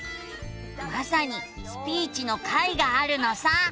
まさに「スピーチ」の回があるのさ。